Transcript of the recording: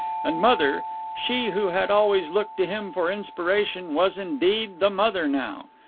And Mother, she who had always looked to him for inspiration, was indeed the mother now.